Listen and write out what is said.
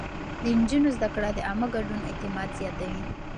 د نجونو زده کړه د عامه ګډون اعتماد زياتوي.